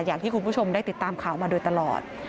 อย่างที่คุณผู้ชมได้ติดตามข่าวมาโดยตลอด